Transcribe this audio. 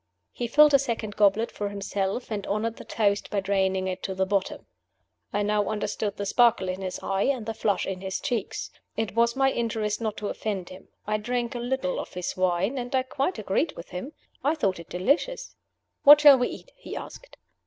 He filled a second goblet for himself, and honored the toast by draining it to the bottom. I now understood the sparkle in his eyes and the flush in his cheeks. It was my interest not to offend him. I drank a little of his wine, and I quite agreed with him. I thought it delicious. "What shall we eat?" he asked.